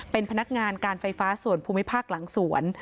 เป็นพนักงานการไฟฟ้าส่วนภูมิภาคหลังสวน